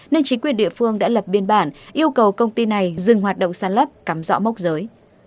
nên chính quyền địa phương đã lập biên bản yêu cầu công ty này dừng hoạt động sàn lấp cắm rõ mốc giới